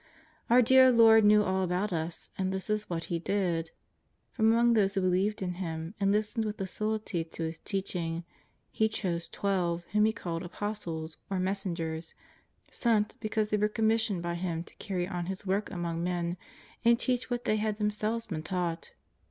Our dear Lord knew all about us, and this is what He did. From among those who believed in Him and listened with docility to His teaching, He chose twelve whom He called Apostles, or messengers " sent," be cause they were commissioned by Him to carry on His work among men and teach what they had themselves been taught.